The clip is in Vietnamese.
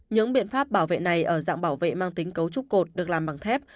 những biện pháp bảo vệ này ở dạng bảo vệ mang tính cấu trúc cột được làm bằng thép